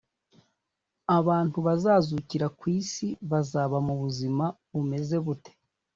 abantu bazazukira ku isi bazaba mu buzima bumeze bute